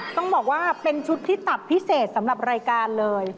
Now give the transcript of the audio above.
ต้องบอกว่าเป็นชุดที่ตับพิเศษสำหรับรายการเลย